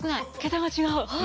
桁が違う！